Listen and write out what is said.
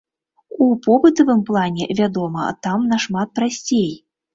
У побытавым плане, вядома, там нашмат прасцей.